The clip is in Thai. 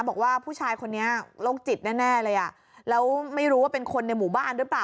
บอกว่าผู้ชายคนนี้โรคจิตแน่เลยอ่ะแล้วไม่รู้ว่าเป็นคนในหมู่บ้านหรือเปล่า